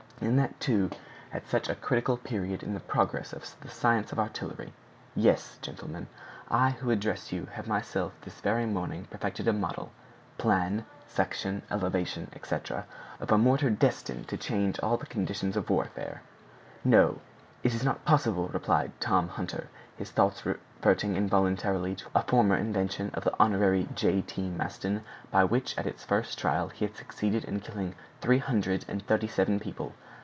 and that too at such a critical period in the progress of the science of artillery! Yes, gentlemen! I who address you have myself this very morning perfected a model (plan, section, elevation, etc.) of a mortar destined to change all the conditions of warfare!" "No! is it possible?" replied Tom Hunter, his thoughts reverting involuntarily to a former invention of the Hon. J. T. Maston, by which, at its first trial, he had succeeded in killing three hundred and thirty seven people.